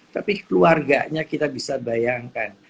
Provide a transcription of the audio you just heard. tapi keluarganya kita bisa bayangkan